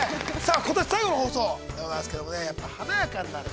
ことし最後の放送でございますけれども、やっぱり華やかになる。